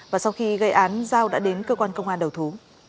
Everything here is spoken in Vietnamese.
và sau khi gây án giao đã đến cơ quan công an đầu thú